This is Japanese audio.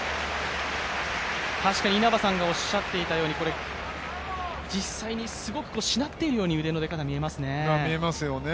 確かに稲葉さんがおっしゃっていたように実際にすごくしなっているように、腕が見えますね。